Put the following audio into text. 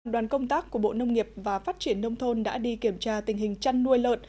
đoàn công tác của bộ nông nghiệp và phát triển nông thôn đã đi kiểm tra tình hình chăn nuôi lợn